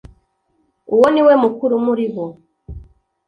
uwo ni we mukuru muribo